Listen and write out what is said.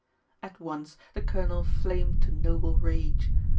At once the Colonel flamed to noble rage.